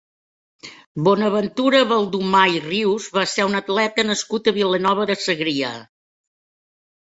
Bonaventura Baldomà i Rius va ser un atleta nascut a Vilanova de Segrià.